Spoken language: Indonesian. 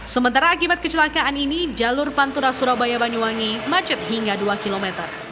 sementara akibat kecelakaan ini jalur pantura surabaya banyuwangi macet hingga dua km